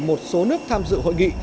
một số nước tham dự hội nghị